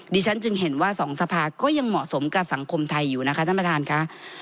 ฉันจึงเห็นว่าสองสภาก็ยังเหมาะสมกับสังคมไทยอยู่นะคะท่านประธานค่ะ